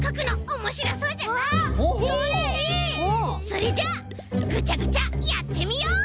それじゃあぐちゃぐちゃやってみよう！